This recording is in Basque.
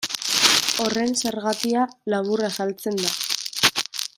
Horren zergatia labur azaltzen da.